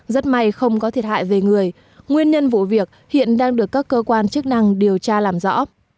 rất may không có thiệt hại về người nguyên nhân vụ việc hiện đang được các cơ quan chức năng điều tra làm rõ